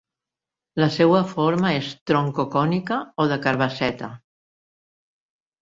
La seua forma és troncocònica o de carabasseta.